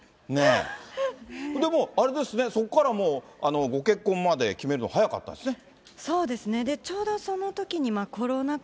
あれですね、そこからご結婚まで決めるの早かったんですね。